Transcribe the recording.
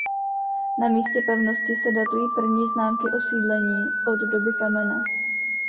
Na místě pevnosti se datují první známky osídlení od doby kamenné.